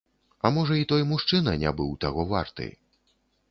А можа, і той мужчына не быў таго варты.